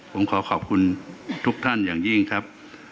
ผมขอขอบคุณทุกท่านอย่างยิ่งครับ